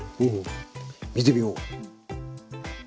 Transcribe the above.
見てみよう。